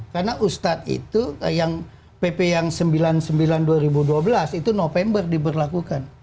karena ustadz itu yang pp yang sembilan puluh sembilan dua ribu dua belas itu november diberlakukan